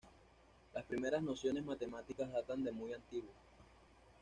Las primeras nociones matemáticas datan de muy antiguo.